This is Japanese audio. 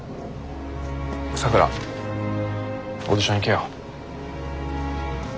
咲良オーディション行けよ。